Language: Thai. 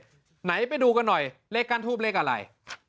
ไหนไปดูกันหน่อยเลขกั้นทูบเลขอะไร